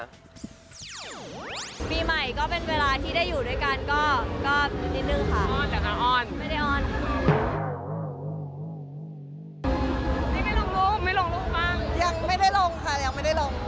ปีใหม่ก็เป็นเวลาที่ได้อยู่ด้วยกันก็นิดนึงค่ะ